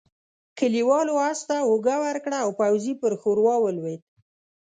کليوالو آس ته اوږه ورکړه او پوځي پر ښوروا ولوېد.